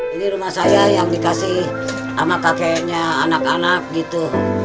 ini rumah saya yang dikasih sama kakeknya anak anak gitu